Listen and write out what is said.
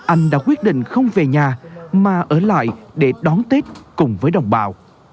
anh đã quyết định không về nhà mà ở lại để đón tết cùng với đồng bào